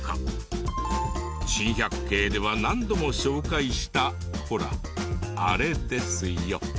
『珍百景』では何度も紹介したほらあれですよ。